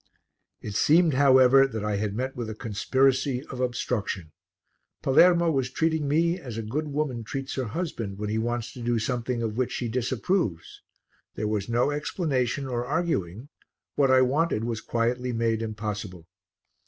It seemed, however, that I had met with a conspiracy of obstruction. Palermo was treating me as a good woman treats her husband when he wants to do something of which she disapproves there was no explanation or arguing; what I wanted was quietly made impossible.